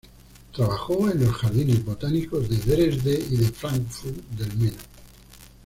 Trabajó en los jardines botánicos de Dresde y de Fráncfort del Meno.